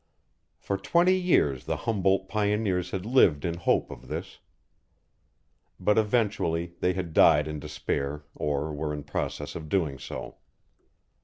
For twenty years the Humboldt pioneers had lived in hope of this; but eventually they had died in despair or were in process of doing so.